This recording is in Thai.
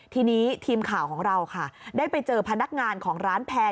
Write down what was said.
ทีนี้ทีมข่าวของเราค่ะได้ไปเจอพนักงานของร้านแพร่